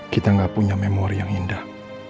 kita nggak punya memori yang indah